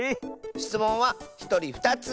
しつもんはひとり２つ。